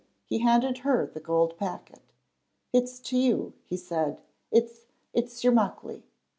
He handed her the gold packet, "It's to you," he said, "it's it's your Muckley!"